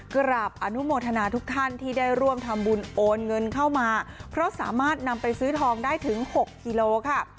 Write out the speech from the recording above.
กราบอนุโมทนาทุกท่านที่ได้ร่วมทำบุญโอนเงินเข้ามาเพราะสามารถนำไปซื้อทองได้ถึง๖กิโลค่ะ